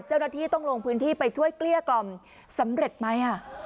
เจ้าหน้าที่ต้องลงพื้นที่ไปช่วยเกลี้ยกล่อมสำเร็จไหม